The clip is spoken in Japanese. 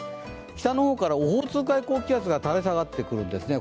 北の方からオホーツク海高気圧が垂れ下がってくるんですよね